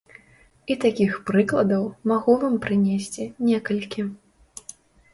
І такіх прыкладаў магу вам прынесці некалькі.